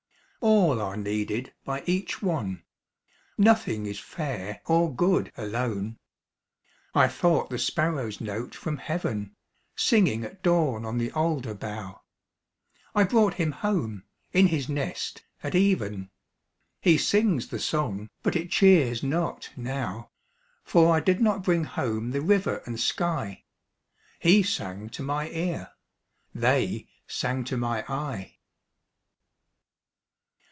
All are needed by each one; Nothing is fair or good alone. I thought the sparrow's note from heaven, Singing at dawn on the alder bough; I brought him home, in his nest, at even; He sings the song, but it cheers not now, For I did not bring home the river and sky; He sang to my ear, they sang to my eye.